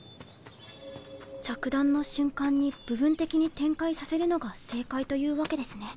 着弾の瞬間に部分的に展開させるのが正解というわけですね。